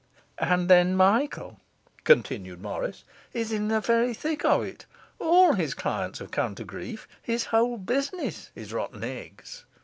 'And then Michael,' continued Morris, 'is in the very thick of it. All his clients have come to grief; his whole business is rotten eggs.